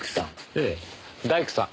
ええ大工さん。